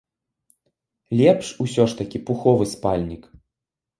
Лепш усё ж такі пуховы спальнік.